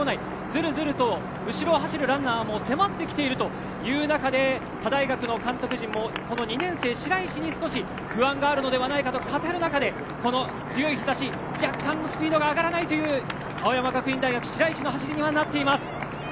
ずるずると後ろを走るランナーも迫ってきている中で他大学の監督陣もこの２年生、白石に少し不安があるのではと語る中で、強い日差し若干スピードが上がらないという青山学院大学白石の走りになっています。